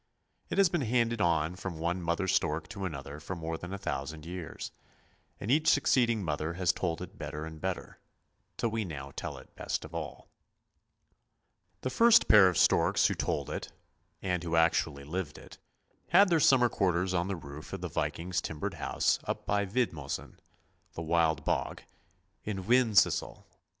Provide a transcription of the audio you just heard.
It has been handed on from one mother stork to another for more than a thousand years, and each succeeding mother has told it better and better, till we now tell it best of all. The first pair of storks who told it, and who actually lived it, had their summer quarters on the roof of the Viking's timbered house up by " Vidmosen " (the Wild Bog) in Wendsyssel.